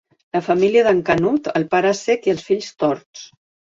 La família d'en Canut, el pare cec i els fills torts.